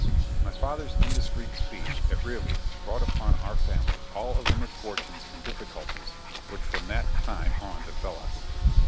My father's indiscreet speech at Rively's brought upon our family all of the misfortunes and difficulties which from that time on befell us.